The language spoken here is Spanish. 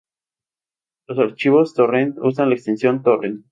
Los archivos "torrent" usan la extensión ".torrent".